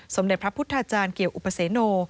สมเด็จพระพุทธาจารย์เกี่ยวอุปเสโน